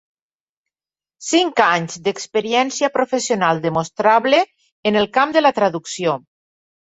Cinc anys d’experiència professional demostrable en el camp de la traducció.